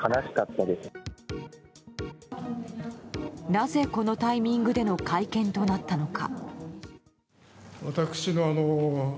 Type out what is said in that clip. なぜ、このタイミングでの会見となったのか。